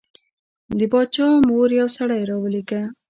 د باچا مور یو سړی راولېږه.